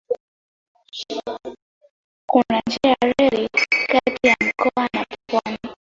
Kuna njia ya reli kati ya mkoa na pwani.